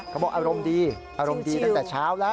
เขาบอกอารมณ์ดีอารมณ์ดีตั้งแต่เช้าแล้ว